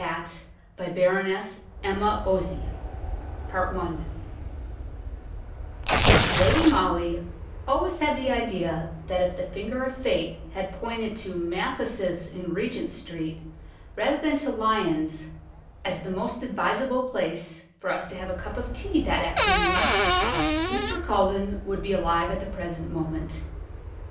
XTHE WOMAN IN THE BIG HAT LADY MOLLY always had the idea that if the finger of Fate had pointed to Mathis' in Regent Street, rather than to Lyons', as the most advisable place for us to have a cup of tea that afternoon, Mr. Culledon would be alive at the present moment.